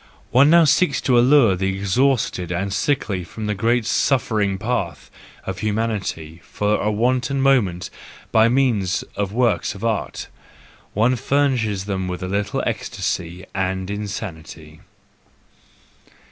Qne now seeks to allure the exhausted and sickly THE JOYFUL WISDOM, II 12 5 from the great suffering path of humanity for a wanton moment by means of works of art; one furnishes them with a little ecstasy and insanity.